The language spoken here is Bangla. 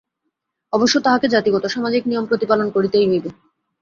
অবশ্য তাহাকে জাতিগত সামাজিক নিয়ম প্রতিপালন করিতেই হইবে।